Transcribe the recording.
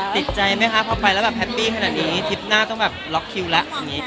ติดใจไหมคะพอไปแล้วแฮปปี้ขนาดนี้ทริปหน้าต้องล็อกคิวละ